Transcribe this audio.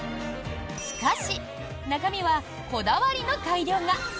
しかし、中身はこだわりの改良が。